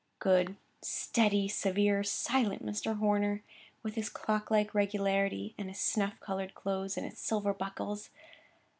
Good, steady, severe, silent Mr. Horner! with his clock like regularity, and his snuff coloured clothes, and silver buckles!